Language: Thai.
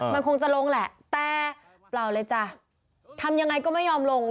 มันคงจะลงแหละแต่เปล่าเลยจ้ะทำยังไงก็ไม่ยอมลง